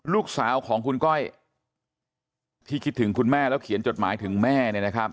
ลูกสาวของคุณก้อยที่คิดถึงคุณแม่แล้วเขียนจดหมายถึงแม่